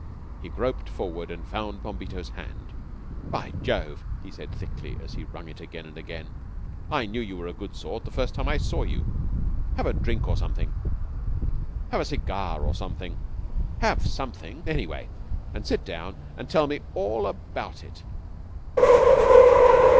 He groped forward and found Bombito's hand. "By Jove," he said thickly, as he wrung it again and again, "I knew you were a good sort the first time I saw you. Have a drink or something. Have a cigar or something. Have something, anyway, and sit down and tell me all about it."